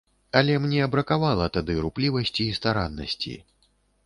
Але мне бракавала тады руплівасці і стараннасці.